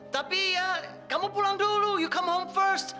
tapi ya kamu pulang dulu you come home first